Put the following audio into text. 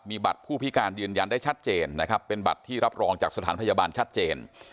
มีบัตรผู้พิการยืนยันได้ชัดเจนนะครับเป็นบัตรที่รับรองจากสถานพยาบาลชัดเจน